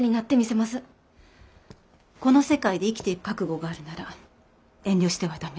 この世界で生きていく覚悟があるなら遠慮しては駄目。